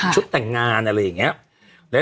แต่งงานอะไรอย่างนี้